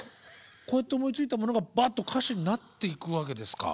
こうやって思いついたものがばっと歌詞になっていくわけですか。